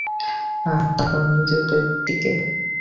আহ, তাকাও নিজেদের দিকে।